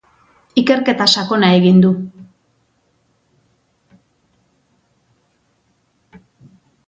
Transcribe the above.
Ikerketa sakona egin du.